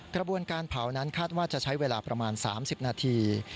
กระบวนการเผานั้นคาดว่าจะใช้เวลาประมาณ๓๐นาที